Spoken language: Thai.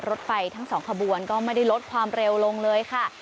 รถไฟทั้งสองขบวนก็ไม่ได้ลดความเร็วลงเลยค่ะ